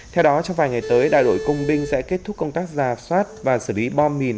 theo đó trong vài ngày tới đại đội công binh sẽ kết thúc công tác giả soát và xử lý bom mìn